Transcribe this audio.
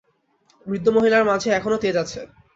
বৃদ্ধ মহিলার মাঝে এখনো তেজ আছে।